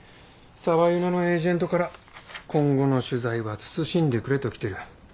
サワユナのエージェントから「今後の取材は慎んでくれ」と来てる。